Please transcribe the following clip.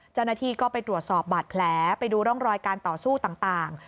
เจ้าหน้าที่ก็ไปตรวจสอบบาดแผลไปดูร่องรอยการต่อสู้ต่าง